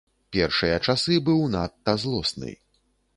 Першыя часы быў надта злосны.